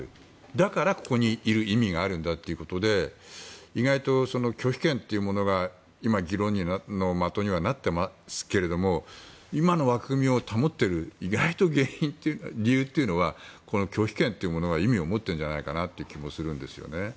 だから、ここにいる意味があるんだということで意外と拒否権というものが議論の的になってますけど今の枠組みを保っている理由というのは意外と、この拒否権というのが意味を持ってるんじゃないかという気がするんですね。